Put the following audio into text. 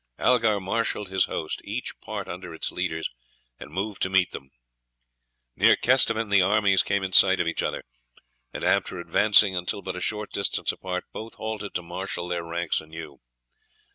Algar marshalled his host, each part under its leaders, and moved to meet them. Near Kesteven the armies came in sight of each other, and after advancing until but a short distance apart both halted to marshal their ranks anew.